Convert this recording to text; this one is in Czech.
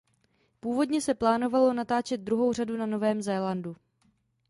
Původně se plánovalo natáčet druhou řadu na Novém Zélandu.